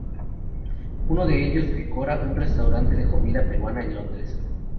Uno de ellos decora un restaurante de comida peruana en Londres.